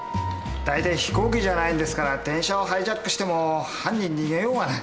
だいたい飛行機じゃないんですから電車をハイジャックしても犯人逃げようがない。